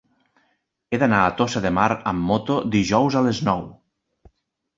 He d'anar a Tossa de Mar amb moto dijous a les nou.